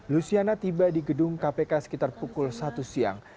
luciana tiba di gedung kpk sekitar pukul satu siang